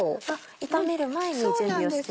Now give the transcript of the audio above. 炒める前に準備をしていく？